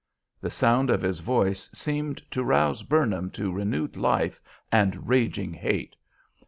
The sound of his voice seemed to rouse "Burnham" to renewed life and raging hate.